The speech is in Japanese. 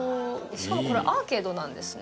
「しかもこれアーケードなんですね」